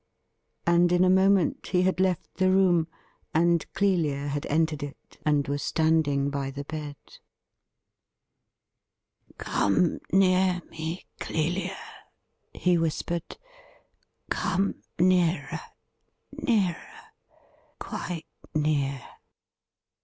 And in a moment he had left the room, and Clelia had entered it, and was standing by the bed. 312 THE RIDDLE RING ' Come near me, Clelia,' he whispered ;' come nearer — nearer — quite near.'